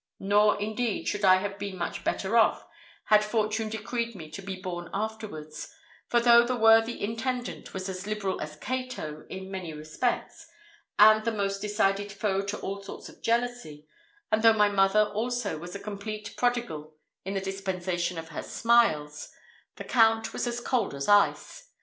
Nor, indeed, should I have been much better off had fortune decreed me to be born afterwards; for though the worthy intendant was as liberal as Cato in many respects, and the most decided foe to all sorts of jealousy, and though my mother also was a complete prodigal in the dispensation of her smiles, the Count was as cold as ice.